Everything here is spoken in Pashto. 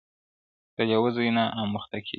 د لېوه زوی نه اموخته کېږي -